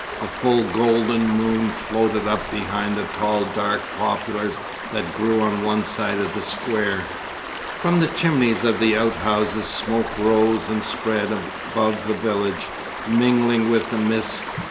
The full golden moon floated up behind the tall dark poplars that grew on one side of the square. From the chimneys of the outhouses smoke rose and spread above the village, mingling with the mist.